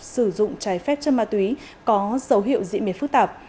sử dụng trái phép chất ma túy có dấu hiệu diễn biệt phức tạp